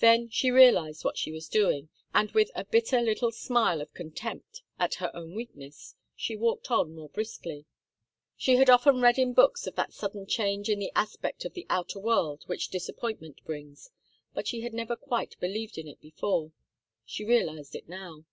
Then she realized what she was doing, and with a bitter little smile of contempt at her own weakness she walked on more briskly. She had often read in books of that sudden change in the aspect of the outer world which disappointment brings, but she had never quite believed in it before. She realized it now.